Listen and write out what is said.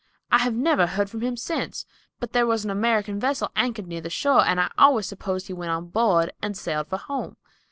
I have never heard from him since; but there was an American vessel anchored near the shore, and I always supposed he went on board and sailed for home.